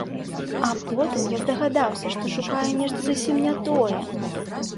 А потым я здагадаўся, што шукаю нешта зусім не тое!